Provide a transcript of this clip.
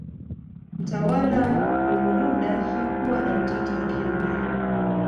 Mtawala Mwamududa hakuwa na mtoto wa kiume